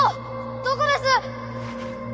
どこです？